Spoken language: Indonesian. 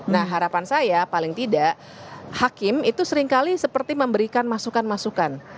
nah harapan saya paling tidak hakim itu seringkali seperti memberikan masukan masukan